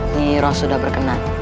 nyi iroh sudah berkenan